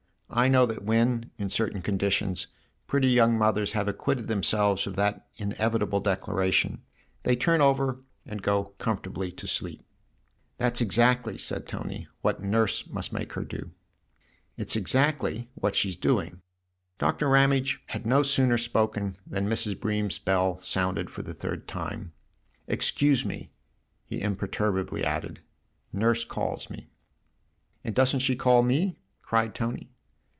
I know that when, in certain conditions, pretty young mothers have acquitted themselves of that inevi table declaration, they turn over and go comfortably to sleep." " That's exactly," said Tony, " what Nurse must make her do." " It's exactly what she's doing." Doctor Ramage had no sooner spoken than Mrs. Bream's bell sounded for the third time. " Excuse me !" he im perturbably added. " Nurse calls me." "And doesn't she call me?" cried Tony.